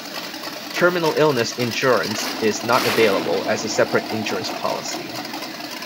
Terminal Illness Insurance is not available as a separate insurance policy.